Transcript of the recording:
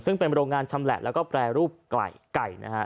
ซึ่งเป็นโรงงานชำแหละแล้วก็แปรรูปไก่ไก่นะฮะ